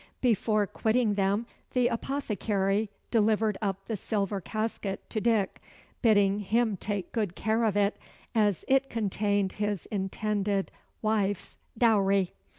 Before quitting them, the apothecary delivered up the silver casket to Dick, bidding him take good care of it, as it contained his intended wife's dowry.